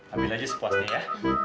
ambil aja sepuasnya ya